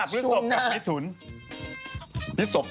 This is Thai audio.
ชุดหน้าพฤษศพกับพิษศุนย์